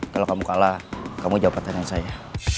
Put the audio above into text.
kalau kamu kalah kamu jawab pertanyaan saya